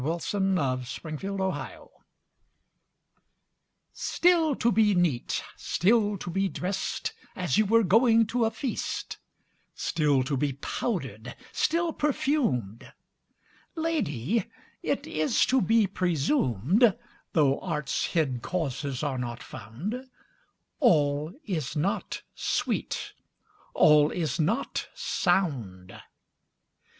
1573–1637 186. Simplex Munditiis STILL to be neat, still to be drest, As you were going to a feast; Still to be powder'd, still perfumed: Lady, it is to be presumed, Though art's hid causes are not found, 5 All is not sweet, all is not sound.